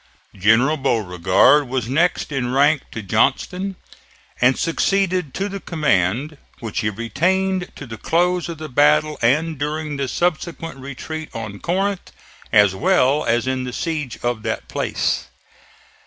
General Beauregard was next in rank to Johnston and succeeded to the command, which he retained to the close of the battle and during the subsequent retreat on Corinth, as well as in the siege of that place.